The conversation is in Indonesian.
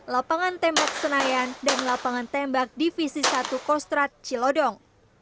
lapangan tembak senayan dan lapangan tembak divisi satu kostrat cilodong